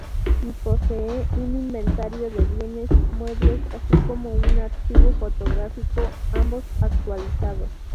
Y posee un inventario de bienes muebles, así como un archivo fotográfico, ambos actualizados.